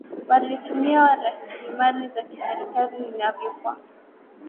Walitumia rasilimali za serikali inavyofaa